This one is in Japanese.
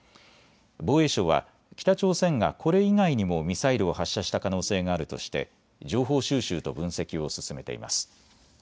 防衛省は、北朝鮮がこれ以外にもミサイルを発射した可能性があるとして情報収集と分析を進めています。